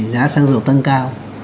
giá sang dầu tăng cao